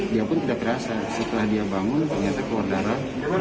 dia pun tidak terasa setelah dia bangun ternyata keluar darah